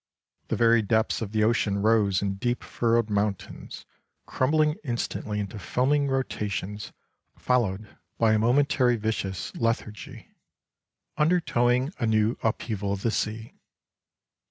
The very depths of the ocean rose in deep furrowed mountains, crumbling instantly into foaming rotations, followed by a momentary viscous lethargy, undertowing a new upheaval of the sea.